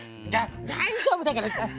大丈夫だから。